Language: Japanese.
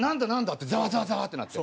ってザワザワザワってなって。